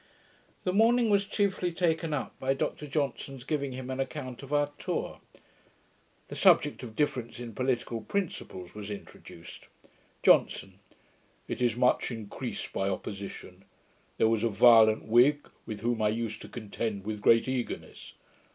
The morning was chiefly taken up by Dr Johnson's giving him an account of our tour. The subject of difference in political principles was introduced. JOHNSON. 'It is much increased by opposition. There was a violent Whig, with whom I used to contend with great eagerness.